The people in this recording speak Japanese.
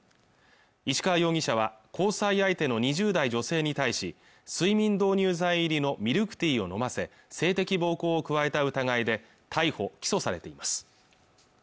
石川容疑者は交際相手の２０代女性に対し睡眠導入剤入りのミルクティーを飲ませ性的暴行を加えた疑いで逮捕起訴されています